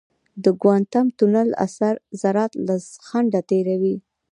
د کوانټم تونل اثر ذرات له خنډه تېروي.